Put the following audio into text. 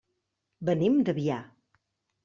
Venim d'Avià.